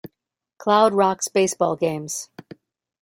Cloud Rox baseball games.